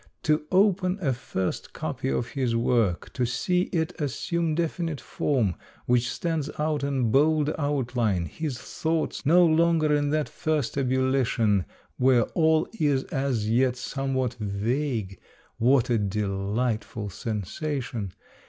To open a first copy of his work, to see it assume definite form, which stands out in bold outhne, his thoughts no longer seething in the brain, no longer in that first ebullition where all is as yet somewhat vague, — what a delightful sensation